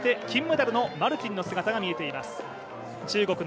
そして金メダルのマルティンの姿が見えています。